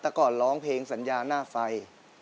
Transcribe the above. แต่ก่อนร้องเพลงสัญญาหน้าไฟ